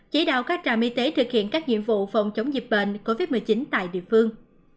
chỉ đạo các trạm y tế thực hiện các nhiệm vụ phòng chống dịch bệnh covid một mươi chín tại địa phương